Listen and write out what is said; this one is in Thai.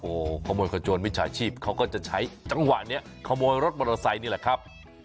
โอ้โหขโมยขโจรมิจฉาชีพเขาก็จะใช้จังหวะนี้ขโมยรถมอเตอร์ไซค์นี่แหละครับ